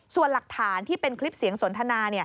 ส่วนหลักฐานที่เป็นคลิปเสียงสนทนา